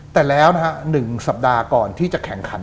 แต่แล้วนะฮะ๑สัปดาห์ก่อนที่จะแข่งขัน